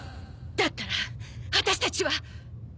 だったらあたしたちは。